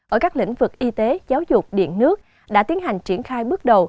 ở các lĩnh vực y tế giáo dục điện nước đã tiến hành triển khai bước đầu